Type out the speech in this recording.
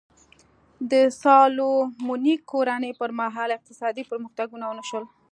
د سالومونیک کورنۍ پر مهال اقتصادي پرمختګونه ونه شول.